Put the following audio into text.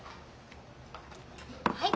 はい。